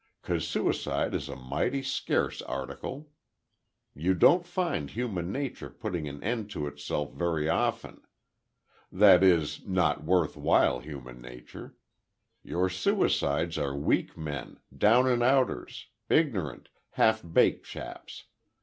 'Cause suicide is a mighty scarce article. You don't find Human Nature putting an end to itself very often. That is, not worthwhile Human Nature. Your suicides are weak men, down and outers, ignorant, half baked chaps.